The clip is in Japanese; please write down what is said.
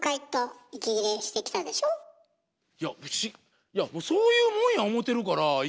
いやいやもうそういうもんや思てるから。